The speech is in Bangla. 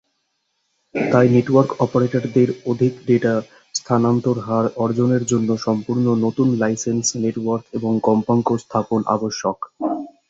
তাই নেটওয়ার্ক অপারেটরদের অধিক ডাটা স্থানান্তর হার অর্জনের জন্য সম্পূর্ণ নতুন লাইসেন্স, নেটওয়ার্ক এবং কম্পাঙ্ক স্থাপন আবশ্যক।